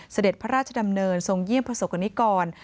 เสด็จพระราชดำเนินทรงเยี่ยมประสบกรณิกร